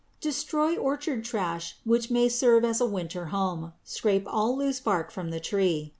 _ Destroy orchard trash which may serve as a winter home. Scrape all loose bark from the tree.